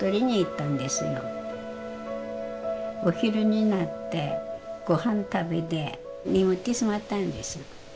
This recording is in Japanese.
お昼になってご飯食べて眠ってしまったんです。